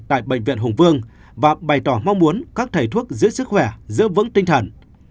tại bệnh viện hùng vương và bày tỏ mong muốn các thầy thuốc giữ sức khỏe giữ vững tinh thần